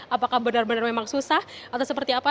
apakah benar benar memang susah atau seperti apa